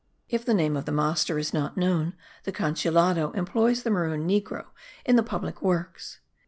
If the name of the master is not known, the Consulado employs the maroon negro in the public works.